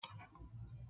是下辖的一个乡。